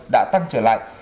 đã tăng trở lại